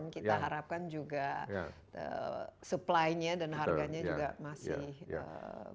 dan kita harapkan juga supply nya dan harganya juga masih bagus